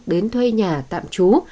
đến thuê nhà tạm trú